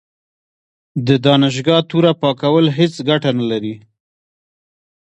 د دانشګاه توره پاکول هیڅ ګټه نه لري.